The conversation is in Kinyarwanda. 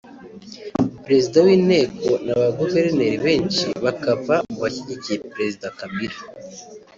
Perezida w’inteko na ba Guverineri benshi bakava mu bashyigikiye Perezida Kabila